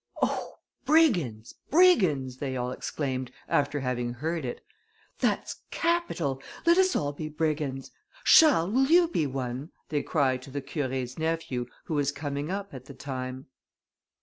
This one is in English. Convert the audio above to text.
"Oh! brigands! brigands!" they all exclaimed, after having heard it. "That's capital! Let us all be brigands. Charles, will you be one?" they cried to the Curé's nephew, who was coming up at the time.